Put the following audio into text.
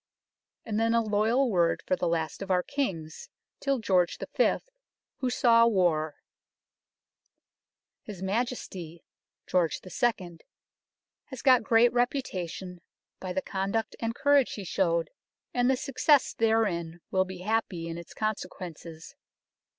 And then a loyal word for the last of our Kings till George V., who saw war " His Majesty [George II.] has got great reputation by the conduct and courage he showed, and the success therein will be happy in its consequences.